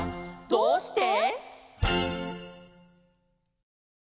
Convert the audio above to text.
「どうして？」